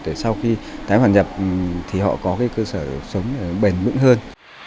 để sau khi tái hoàn nhập thì họ có cái cơ sở sống bền bững hơn